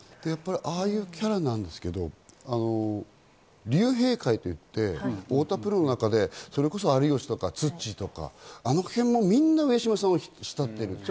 ああいうキャラなんですけど、竜兵会といって太田プロの中で有吉とかツッチーとか、あの辺もみんな上島さんを慕っている。